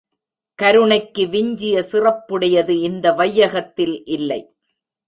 கருணைக்கு விஞ்சிய சிறப்புடையது இந்த வையகத்தில் இல்லை.